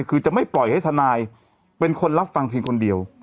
คือจะไม่ปล่อยให้ทนายเป็นคนรับฟังเพียงคนเดียว